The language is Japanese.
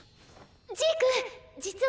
ジーク実は。